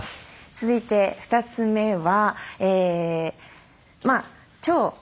続いて２つ目は。